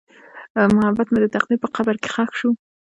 محبت مې د تقدیر په قبر کې ښخ شو.